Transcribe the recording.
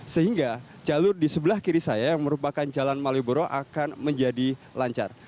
sehingga jalur di sebelah kiri saya yang merupakan jalan malioboro akan menjadi lancar